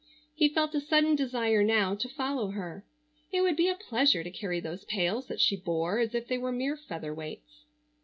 He felt a sudden desire now to follow her. It would be a pleasure to carry those pails that she bore as if they were mere featherweights.